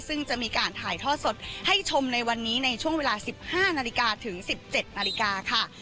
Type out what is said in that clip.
ซึ่งจะมีการถ่ายทอดสดให้ชมในวันนี้ในช่วงเวลา๑๕นาฬิกาถึง๑๗นาฬิกาค่ะ